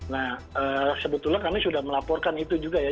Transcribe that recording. nah sebetulnya kami sudah melaporkan itu juga ya